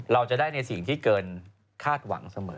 เราจะได้ในสิ่งที่เกินคาดหวังเสมอ